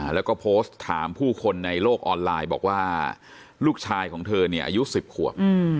แล้วก็โพสต์ถามผู้คนในโลกออนไลน์บอกว่าลูกชายของเธออายุ๑๐ขวบ